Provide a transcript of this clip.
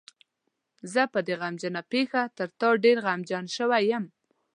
زه په دې غمجنه پېښه تر تا ډېر غمجن شوی یم.